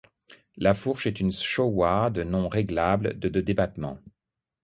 La fourche est une Showa de non réglable de de débattement.